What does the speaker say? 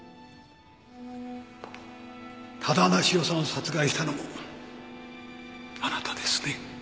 多田梨世さんを殺害したのもあなたですね？